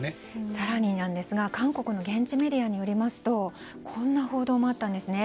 更にですが韓国の現地メディアによりますとこんな報道もあったんですね。